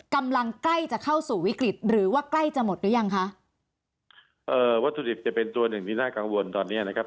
ใกล้จะเข้าสู่วิกฤตหรือว่าใกล้จะหมดหรือยังคะเอ่อวัตถุดิบจะเป็นตัวหนึ่งที่น่ากังวลตอนเนี้ยนะครับ